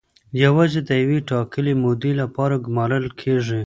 یوازې د یوې ټاکلې مودې لپاره ګومارل کیږي.